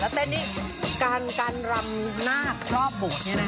แล้วเต้นนี้การรำหน้าทรอบโบกเนี่ยนะคะ